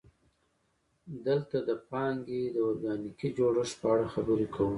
دلته د پانګې د ارګانیکي جوړښت په اړه خبرې کوو